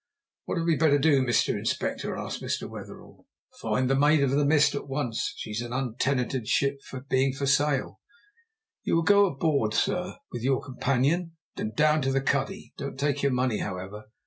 "What had we better do, Mr. Inspector?" asked Mr. Wetherell. "Find the Maid of the Mist at once. She's an untenanted ship, being for sale. You will go aboard, sir, with your companion, and down to the cuddy. Don't take your money, however.